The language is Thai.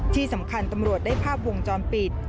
ที่สำคัญตำรวจได้ภาพวงจรปิด